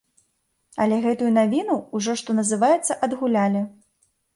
Але гэтую навіну ўжо, што называецца, адгулялі.